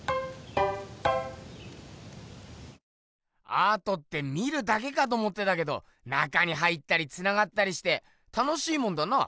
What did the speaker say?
アートって見るだけかと思ってたけど中に入ったりつながったりして楽しいもんだな。